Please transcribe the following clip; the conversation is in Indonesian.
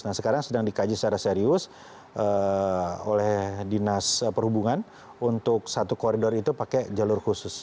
nah sekarang sedang dikaji secara serius oleh dinas perhubungan untuk satu koridor itu pakai jalur khusus